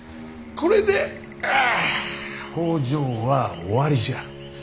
これでああ北条は終わりじゃ。